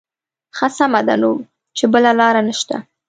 ښه سمه ده نو چې بله لاره نه شته.